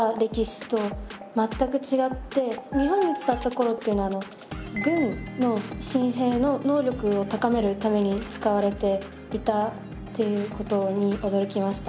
日本に伝わった頃っていうのは軍の新兵の能力を高めるために使われていたっていうことに驚きました。